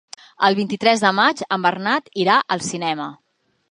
El vint-i-tres de maig en Bernat irà al cinema.